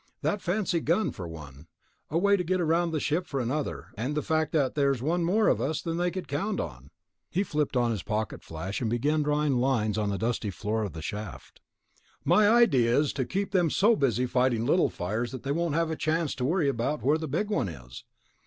That fancy gun, for one. A way to get around the ship, for another ... and the fact that there's one more of us than they count on." He flipped on his pocket flash, began drawing lines on the dusty floor of the shaft. "My idea is to keep them so busy fighting little fires that they won't have a chance to worry about where the big one is."